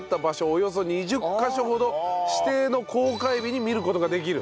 およそ２０カ所ほど指定の公開日に見る事ができる。